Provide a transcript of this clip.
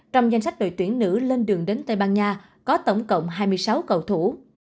trong danh sách đội tuyển nữ lên đường đến tây ban nha có tổng cộng hai mươi sáu cầu thủ